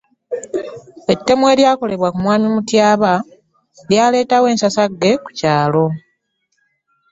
Ettemu eryakolebwa ku mwami Mutyaba lyaleetawo ensasagge ku kyalo.